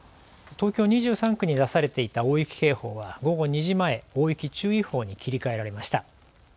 東京２３区に出されていた大雪警報は午後２時前大雪注意報に切り替えられました。